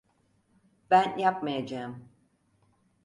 Ben yapmayacağım.